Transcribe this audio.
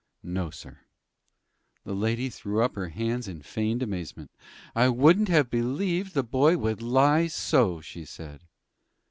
"No, sir." The lady threw up her hands in feigned amazement. "I wouldn't have believed the boy would lie so!" she said.